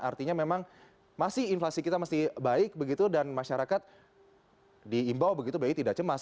artinya memang masih inflasi kita masih baik begitu dan masyarakat diimbau begitu bi tidak cemas